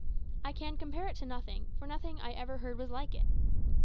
I can compare it to nothing, for nothing I ever heard was like it.